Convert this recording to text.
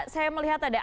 saya melihat ada